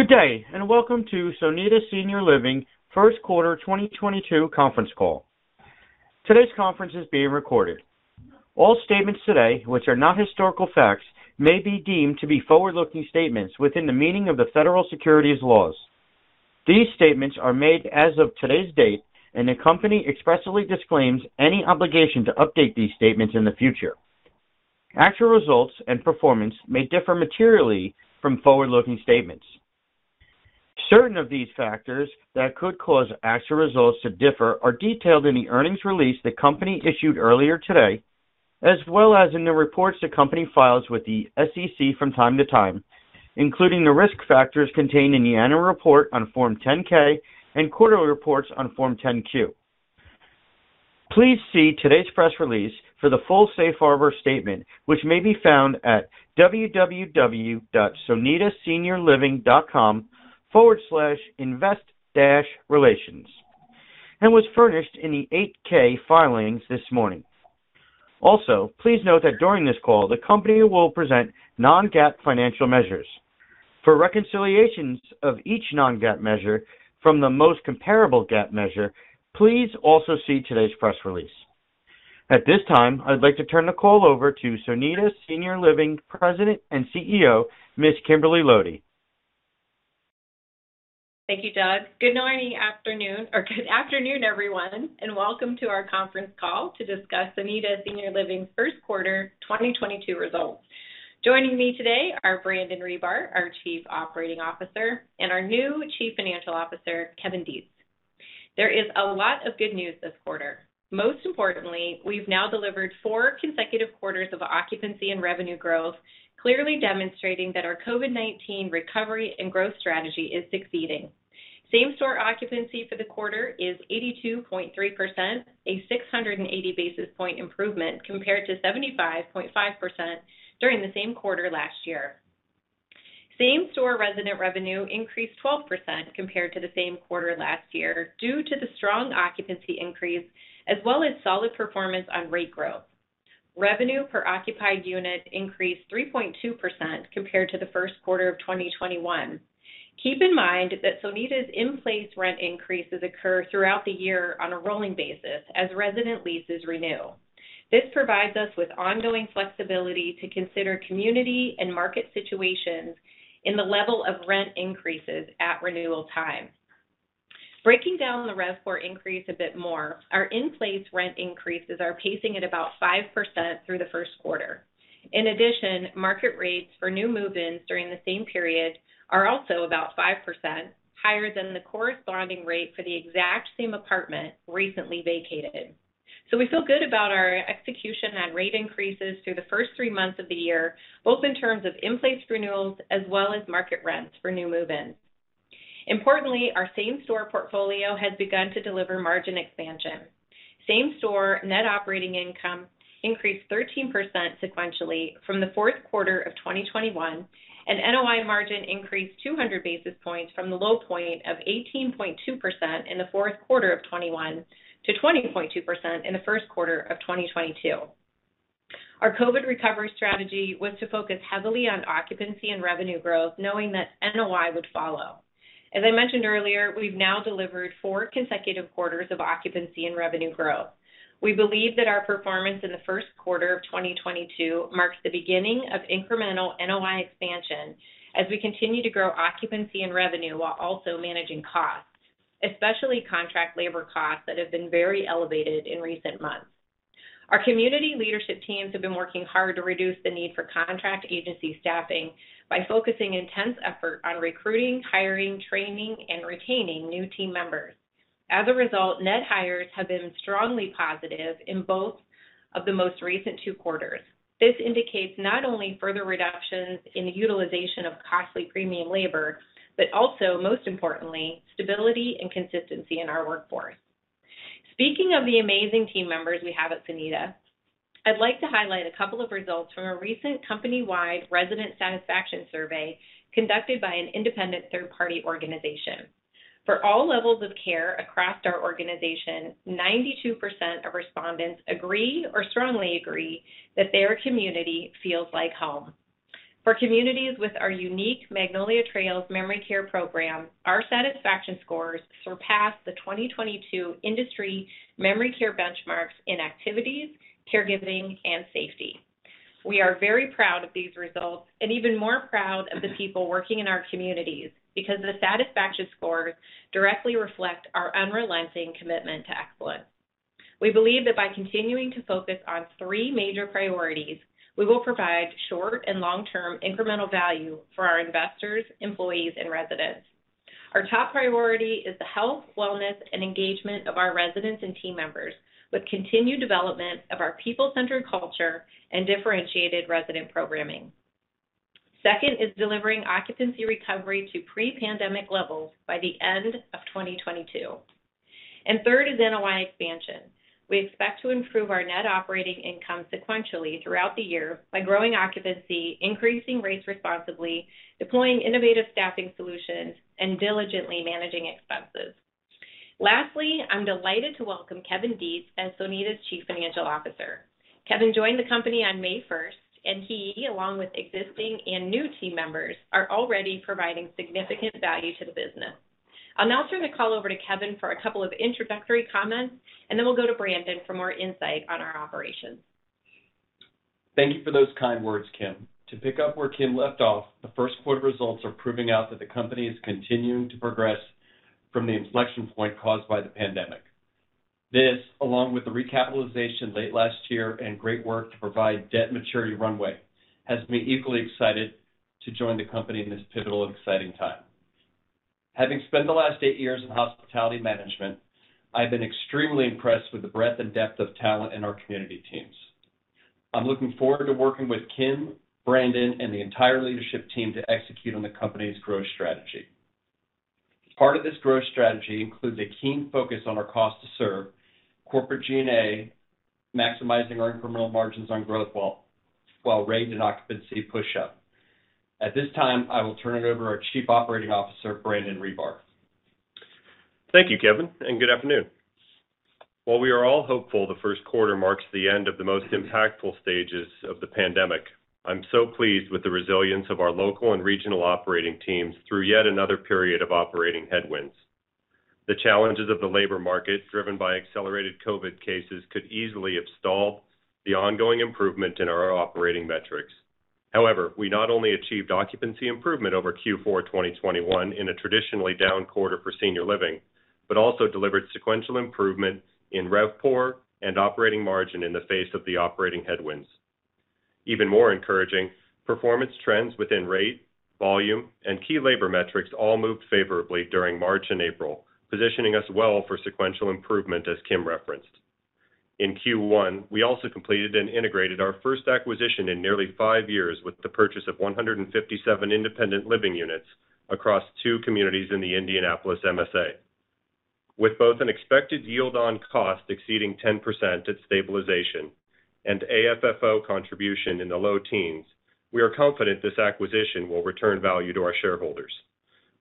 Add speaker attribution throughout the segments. Speaker 1: Good day, and welcome to Sonida Senior Living first quarter 2022 conference call. Today's conference is being recorded. All statements today which are not historical facts, may be deemed to be forward-looking statements within the meaning of the federal securities laws. These statements are made as of today's date, and the company expressly disclaims any obligation to update these statements in the future. Actual results and performance may differ materially from forward-looking statements. Certain of these factors that could cause actual results to differ are detailed in the earnings release the company issued earlier today, as well as in the reports the company files with the SEC from time to time, including the risk factors contained in the annual report on Form 10-K and quarterly reports on Form 10-Q. Please see today's press release for the full safe harbor statement, which may be found at www.sonidaseniorliving.com/invest-relations, and was furnished in the 8-K filings this morning. Also, please note that during this call, the company will present non-GAAP financial measures. For reconciliations of each non-GAAP measure from the most comparable GAAP measure, please also see today's press release. At this time, I'd like to turn the call over to Sonida Senior Living President and CEO, Ms. Kimberly Lody.
Speaker 2: Thank you, Doug. Good afternoon, everyone, and welcome to our conference call to discuss Sonida Senior Living first quarter 2022 results. Joining me today are Brandon Ribar, our Chief Operating Officer, and our new Chief Financial Officer, Kevin Detz. There is a lot of good news this quarter. Most importantly, we've now delivered four consecutive quarters of occupancy and revenue growth, clearly demonstrating that our COVID-19 recovery and growth strategy is succeeding. Same-store occupancy for the quarter is 82.3%, a 680 basis point improvement compared to 75.5% during the same quarter last year. Same-store resident revenue increased 12% compared to the same quarter last year due to the strong occupancy increase as well as solid performance on rate growth. Revenue per occupied unit increased 3.2% compared to the first quarter of 2021. Keep in mind that Sonida's in-place rent increases occur throughout the year on a rolling basis as resident leases renew. This provides us with ongoing flexibility to consider community and market situations in the level of rent increases at renewal time. Breaking down the RevPOR increase a bit more, our in-place rent increases are pacing at about 5% through the first quarter. In addition, market rates for new move-ins during the same period are also about 5% higher than the corresponding rate for the exact same apartment recently vacated. We feel good about our execution on rate increases through the first three months of the year, both in terms of in-place renewals as well as market rents for new move-ins. Importantly, our same-store portfolio has begun to deliver margin expansion. Same-store net operating income increased 13% sequentially from the fourth quarter of 2021, and NOI margin increased 200 basis points from the low point of 18.2% in the fourth quarter of 2021 to 20.2% in the first quarter of 2022. Our COVID recovery strategy was to focus heavily on occupancy and revenue growth, knowing that NOI would follow. As I mentioned earlier, we've now delivered four consecutive quarters of occupancy and revenue growth. We believe that our performance in the first quarter of 2022 marks the beginning of incremental NOI expansion as we continue to grow occupancy and revenue while also managing costs, especially contract labor costs that have been very elevated in recent months. Our community leadership teams have been working hard to reduce the need for contract agency staffing by focusing intense effort on recruiting, hiring, training, and retaining new team members. As a result, net hires have been strongly positive in both of the most recent two quarters. This indicates not only further reductions in the utilization of costly premium labor, but also, most importantly, stability and consistency in our workforce. Speaking of the amazing team members we have at Sonida, I'd like to highlight a couple of results from a recent company-wide resident satisfaction survey conducted by an independent third-party organization. For all levels of care across our organization, 92% of respondents agree or strongly agree that their community feels like home. For communities with our unique Magnolia Trails memory care program, our satisfaction scores surpassed the 2022 industry memory care benchmarks in activities, caregiving, and safety. We are very proud of these results and even more proud of the people working in our communities because the satisfaction scores directly reflect our unrelenting commitment to excellence. We believe that by continuing to focus on three major priorities, we will provide short and long-term incremental value for our investors, employees, and residents. Our top priority is the health, wellness, and engagement of our residents and team members with continued development of our people-centered culture and differentiated resident programming. Second is delivering occupancy recovery to pre-pandemic levels by the end of 2022. Third is NOI expansion. We expect to improve our net operating income sequentially throughout the year by growing occupancy, increasing rates responsibly, deploying innovative staffing solutions, and diligently managing expenses. Lastly, I'm delighted to welcome Kevin Detz as Sonida's Chief Financial Officer. Kevin joined the company on May 1st, and he, along with existing and new team members, are already providing significant value to the business. I'll now turn the call over to Kevin for a couple of introductory comments, and then we'll go to Brandon for more insight on our operations.
Speaker 3: Thank you for those kind words, Kim. To pick up where Kim left off, the first quarter results are proving out that the company is continuing to progress from the inflection point caused by the pandemic. This, along with the recapitalization late last year and great work to provide debt maturity runway, has me equally excited to join the company in this pivotal and exciting time. Having spent the last 8 years in hospitality management, I've been extremely impressed with the breadth and depth of talent in our community teams. I'm looking forward to working with Kim, Brandon, and the entire leadership team to execute on the company's growth strategy. Part of this growth strategy includes a keen focus on our cost to serve, corporate G&A, maximizing our incremental margins on growth while rate and occupancy push up. At this time, I will turn it over to our Chief Operating Officer, Brandon Ribar.
Speaker 4: Thank you, Kevin, and good afternoon. While we are all hopeful the first quarter marks the end of the most impactful stages of the pandemic, I'm so pleased with the resilience of our local and regional operating teams through yet another period of operating headwinds. The challenges of the labor market, driven by accelerated COVID cases, could easily have stalled the ongoing improvement in our operating metrics. However, we not only achieved occupancy improvement over Q4 2021 in a traditionally down quarter for senior living, but also delivered sequential improvement in RevPOR and operating margin in the face of the operating headwinds. Even more encouraging, performance trends within rate, volume, and key labor metrics all moved favorably during March and April, positioning us well for sequential improvement, as Kim referenced. In Q1, we also completed and integrated our first acquisition in nearly five years with the purchase of 157 independent living units across two communities in the Indianapolis MSA. With both an expected yield on cost exceeding 10% at stabilization and AFFO contribution in the low teens, we are confident this acquisition will return value to our shareholders.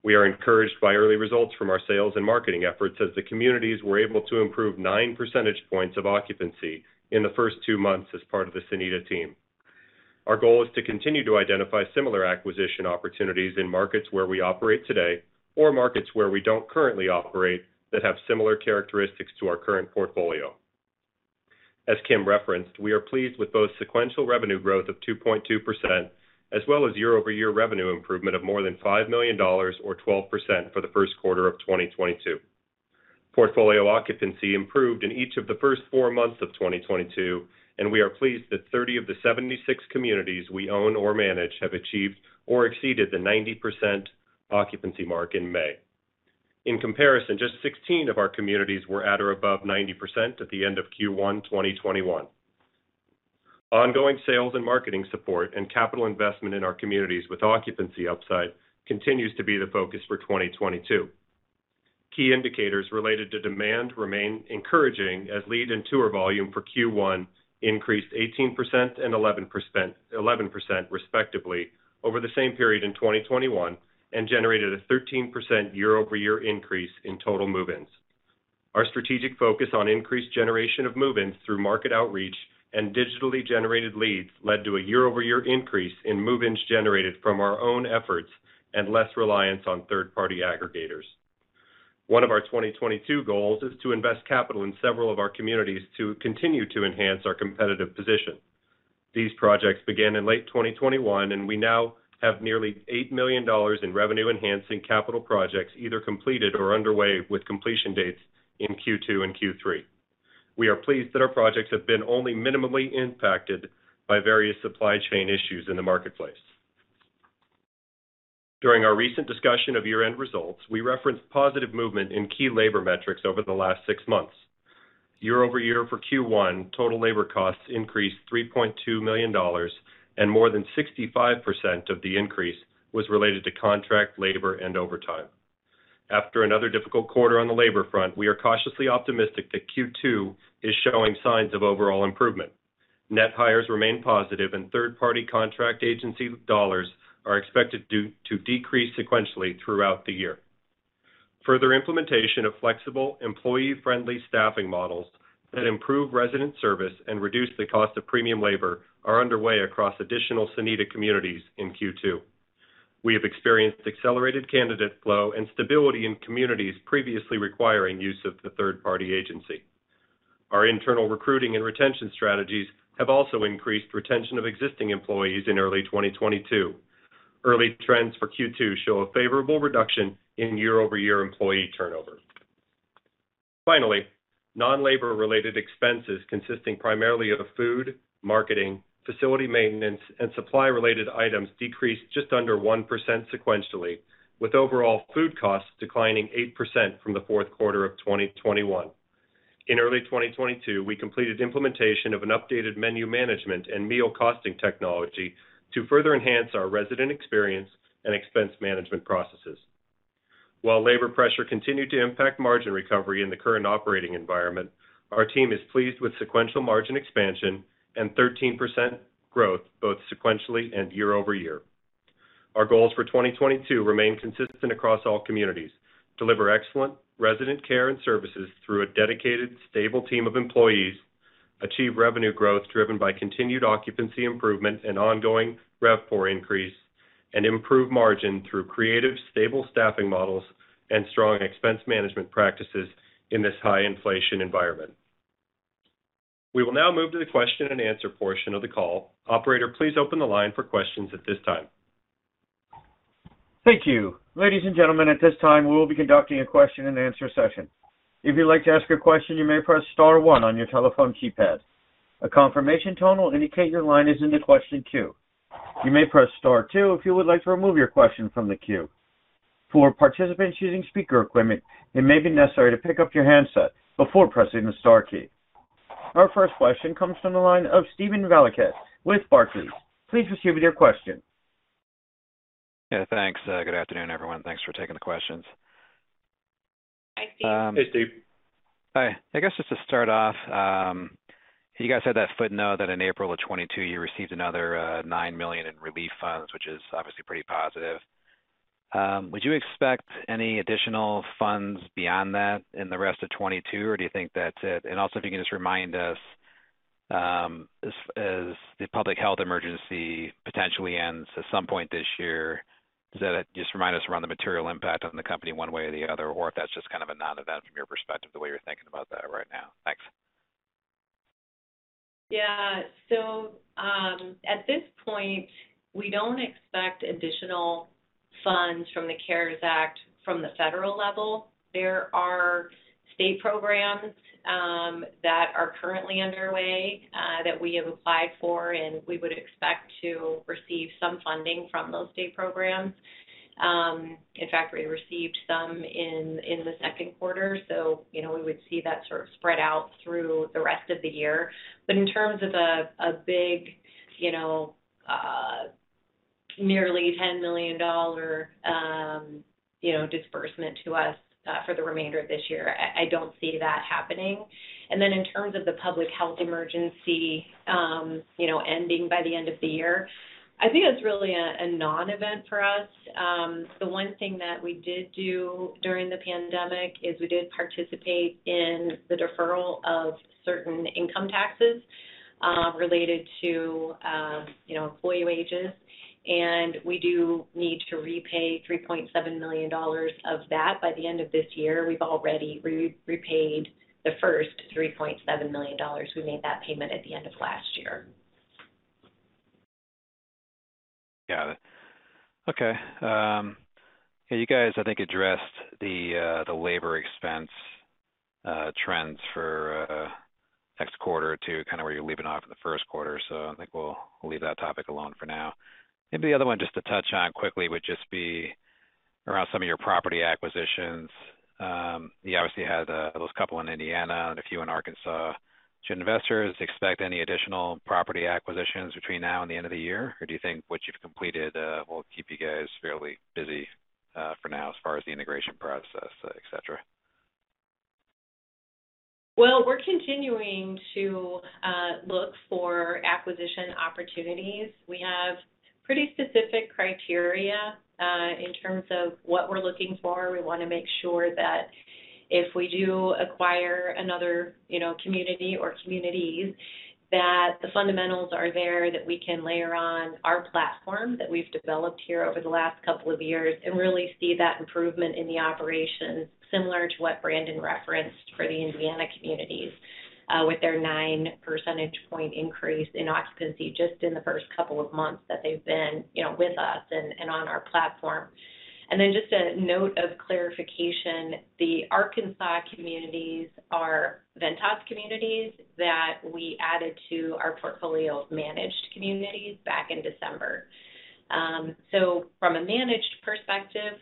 Speaker 4: We are encouraged by early results from our sales and marketing efforts as the communities were able to improve 9% points of occupancy in the first two months as part of the Sonida team. Our goal is to continue to identify similar acquisition opportunities in markets where we operate today or markets where we don't currently operate that have similar characteristics to our current portfolio. As Kim referenced, we are pleased with both sequential revenue growth of 2.2% as well as year-over-year revenue improvement of more than $5 million or 12% for the first quarter of 2022. Portfolio occupancy improved in each of the first four months of 2022, and we are pleased that 30 of the 76 communities we own or manage have achieved or exceeded the 90% occupancy mark in May. In comparison, just 16 of our communities were at or above 90% at the end of Q1 2021. Ongoing sales and marketing support and capital investment in our communities with occupancy upside continues to be the focus for 2022. Key indicators related to demand remain encouraging as lead and tour volume for Q1 increased 18% and 11%, respectively, over the same period in 2021 and generated a 13% year-over-year increase in total move-ins. Our strategic focus on increased generation of move-ins through market outreach and digitally generated leads led to a year-over-year increase in move-ins generated from our own efforts and less reliance on third-party aggregators. One of our 2022 goals is to invest capital in several of our communities to continue to enhance our competitive position. These projects began in late 2021, and we now have nearly $8 million in revenue-enhancing capital projects either completed or underway with completion dates in Q2 and Q3. We are pleased that our projects have been only minimally impacted by various supply chain issues in the marketplace. During our recent discussion of year-end results, we referenced positive movement in key labor metrics over the last six months. Year over year for Q1, total labor costs increased $3.2 million, and more than 65% of the increase was related to contract labor and overtime. After another difficult quarter on the labor front, we are cautiously optimistic that Q2 is showing signs of overall improvement. Net hires remain positive, and third-party contract agency dollars are expected due to decrease sequentially throughout the year. Further implementation of flexible, employee-friendly staffing models that improve resident service and reduce the cost of premium labor are underway across additional Sonida communities in Q2. We have experienced accelerated candidate flow and stability in communities previously requiring use of the third-party agency. Our internal recruiting and retention strategies have also increased retention of existing employees in early 2022. Early trends for Q2 show a favorable reduction in year-over-year employee turnover. Finally, non-labor-related expenses consisting primarily of food, marketing, facility maintenance, and supply-related items decreased just under 1% sequentially, with overall food costs declining 8% from the fourth quarter of 2021. In early 2022, we completed implementation of an updated menu management and meal costing technology to further enhance our resident experience and expense management processes. While labor pressure continued to impact margin recovery in the current operating environment, our team is pleased with sequential margin expansion and 13% growth both sequentially and year-over-year.
Speaker 2: Our goals for 2022 remain consistent across all communities. Deliver excellent resident care and services through a dedicated, stable team of employees. Achieve revenue growth driven by continued occupancy improvement and ongoing RevPOR increase. Improve margin through creative, stable staffing models and strong expense management practices in this high inflation environment. We will now move to the question and answer portion of the call. Operator, please open the line for questions at this time.
Speaker 1: Thank you. Ladies and gentlemen, at this time, we will be conducting a question and answer session. If you'd like to ask a question, you may press star one on your telephone keypad. A confirmation tone will indicate your line is in the question queue. You may press star two if you would like to remove your question from the queue. For participants using speaker equipment, it may be necessary to pick up your handset before pressing the star key. Our first question comes from the line of Steven Valiquette with Barclays. Please proceed with your question.
Speaker 5: Yeah, thanks. Good afternoon, everyone. Thanks for taking the questions.
Speaker 2: Hi, Steven.
Speaker 4: Hey, Steve.
Speaker 5: Hi. I guess just to start off, you guys had that footnote that in April of 2022 you received another $9 million in relief funds, which is obviously pretty positive. Would you expect any additional funds beyond that in the rest of 2022, or do you think that's it? Also, if you can just remind us, as the public health emergency potentially ends at some point this year, does that just remind us around the material impact on the company one way or the other, or if that's just kind of a non-event from your perspective, the way you're thinking about that right now. Thanks.
Speaker 2: Yeah. At this point, we don't expect additional funds from the CARES Act from the federal level. There are state programs that are currently underway that we have applied for, and we would expect to receive some funding from those state programs. In fact, we received some in the second quarter, so you know, we would see that sort of spread out through the rest of the year. In terms of a big, you know, nearly $10 million disbursement to us for the remainder of this year, I don't see that happening. In terms of the public health emergency, you know, ending by the end of the year, I think that's really a non-event for us. The one thing that we did do during the pandemic is we did participate in the deferral of certain income taxes, related to, you know, employee wages. We do need to repay $3.7 million of that by the end of this year. We've already repaid the first $3.7 million. We made that payment at the end of last year.
Speaker 5: Got it. Okay. Okay, you guys, I think addressed the labor expense trends for next quarter to kind of where you're leaving off in the first quarter, so I think we'll leave that topic alone for now. Maybe the other one just to touch on quickly would just be around some of your property acquisitions. You obviously had those couple in Indiana and a few in Arkansas. Should investors expect any additional property acquisitions between now and the end of the year, or do you think what you've completed will keep you guys fairly busy for now as far as the integration process, et cetera?
Speaker 2: Well, we're continuing to look for acquisition opportunities. We have pretty specific criteria in terms of what we're looking for. We wanna make sure that if we do acquire another, you know, community or communities, that the fundamentals are there that we can layer on our platform that we've developed here over the last couple of years and really see that improvement in the operations, similar to what Brandon referenced for the Indiana communities with their 9 % point increase in occupancy just in the first couple of months that they've been, you know, with us and on our platform. Then just a note of clarification, the Arkansas communities are Ventas communities that we added to our portfolio of managed communities back in December. So from a managed perspective,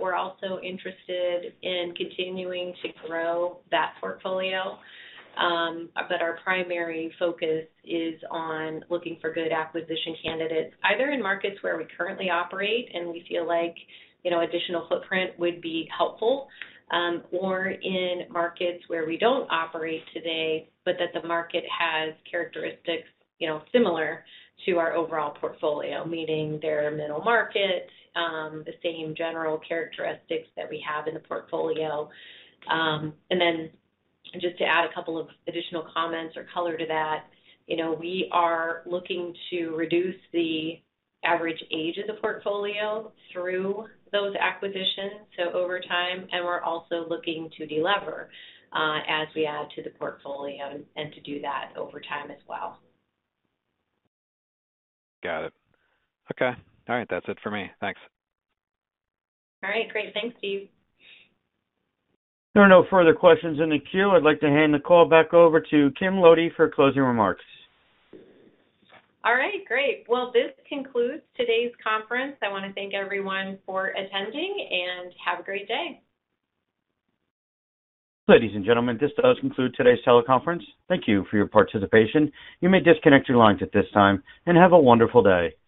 Speaker 2: we're also interested in continuing to grow that portfolio? Our primary focus is on looking for good acquisition candidates, either in markets where we currently operate and we feel like, you know, additional footprint would be helpful, or in markets where we don't operate today, but that the market has characteristics, you know, similar to our overall portfolio, meaning they're a middle market, the same general characteristics that we have in the portfolio. Just to add a couple of additional comments or color to that, you know, we are looking to reduce the average age of the portfolio through those acquisitions, so over time, and we're also looking to delever, as we add to the portfolio and to do that over time as well.
Speaker 5: Got it. Okay. All right. That's it for me. Thanks.
Speaker 2: All right. Great. Thanks, Steve.
Speaker 1: There are no further questions in the queue. I'd like to hand the call back over to Kim Lody for closing remarks.
Speaker 2: All right. Great. Well, this concludes today's conference. I wanna thank everyone for attending, and have a great day.
Speaker 1: Ladies and gentlemen, this does conclude today's teleconference. Thank you for your participation. You may disconnect your lines at this time, and have a wonderful day.